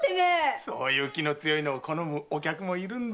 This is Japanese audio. そういう気の強いのを好むお客もいるんですよ。